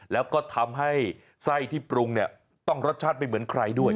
แล้วก็ทำให้ไส้ที่ปรุงเนี่ยต้องรสชาติไม่เหมือนใครด้วย